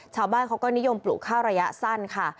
ชาวบ้านเขาก็นิยมปลูกข้าวระยะสั้นค่ะ